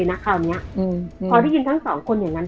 อย่างงี้พอดีถึง๒คนเนี่ย